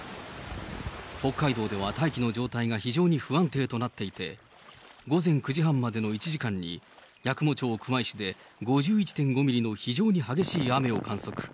北海道では大気の状態が非常に不安定となっていて、午前９時半までの１時間に、八雲町熊石で５１．５ミリの非常に激しい雨を観測。